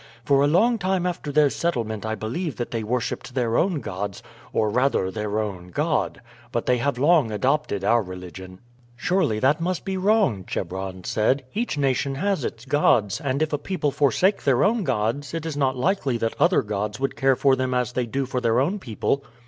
For a long time after their settlement I believe that they worshiped their own gods, or rather their own God, but they have long adopted our religion." "Surely that must be wrong," Chebron said. "Each nation has its gods, and if a people forsake their own gods it is not likely that other gods would care for them as they do for their own people."